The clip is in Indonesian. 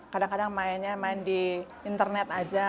kadang kadang mainnya main di internet aja